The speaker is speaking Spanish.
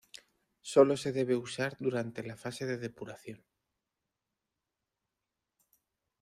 Sólo se debe usar durante la fase de depuración.